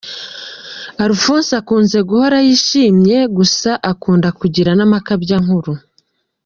Alphonse akunze guhora yishimye gusa akunda kugira n’amakabyankuru.